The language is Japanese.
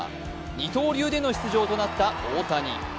二刀流での出場となった大谷。